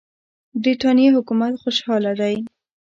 برټانیې حکومت خوشاله دی.